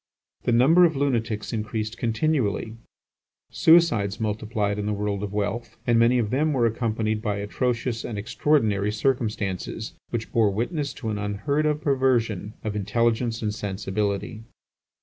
The number of lunatics increased continually; suicides multiplied in the world of wealth, and many of them were accompanied by atrocious and extraordinary circumstances, which bore witness to an unheard of perversion of intelligence and sensibility.